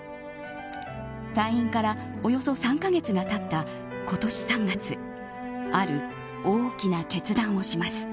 退院からおよそ３か月が経った今年３月ある大きな決断をします。